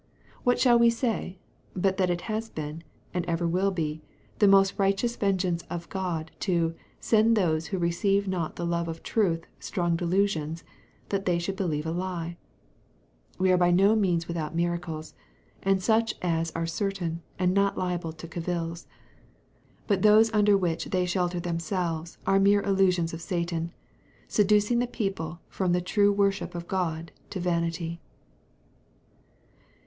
What shall we say, but that it has been, and ever will be, the most righteous vengeance of God to "send those who receive not the love of the truth strong delusions, that they should believe a lie?" We are by no means without miracles, and such as are certain, and not liable to cavils. But those under which they shelter themselves are mere illusions of Satan, seducing the people from the true worship of God to vanity.